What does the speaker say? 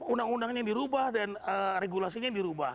undang undangnya dirubah dan regulasinya yang dirubah